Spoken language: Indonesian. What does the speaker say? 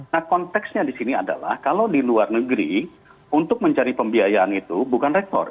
nah konteksnya di sini adalah kalau di luar negeri untuk mencari pembiayaan itu bukan rekor